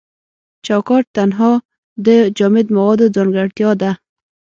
چوکات تنها د جامد موادو ځانګړتیا ده.